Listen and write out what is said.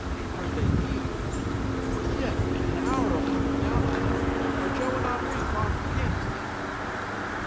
"Are they near?" "Yes; an hour'll bring them down on us. Are Joe and Henri far from camp to day?"